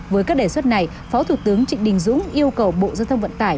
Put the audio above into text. với các đề xuất này phó thủ tướng trịnh đình dũng yêu cầu bộ giao thông vận tải